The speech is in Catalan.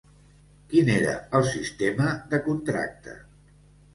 Quin era el sistema de contracte?